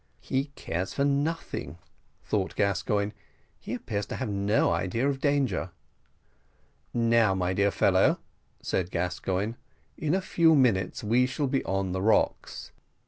"He cares for nothing," thought Gascoigne; "he appears to have no idea of danger." "Now, my dear fellow," said Gascoigne, "in a few minutes we shall be on the rocks.